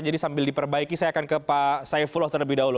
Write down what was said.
jadi sambil diperbaiki saya akan ke pak saifullah terlebih dahulu